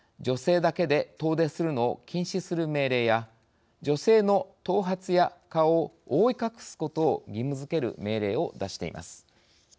女性だけで遠出するのを禁止する命令や女性の頭髪や顔を覆い隠すことを義務づける命令を出しています。